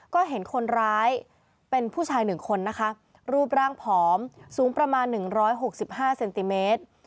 ก็เห็นคนร้ายเป็นผู้ชาย๑คนนะคะรูปร่างผอมสูงประมาณ๑๖๕เซนติเมตร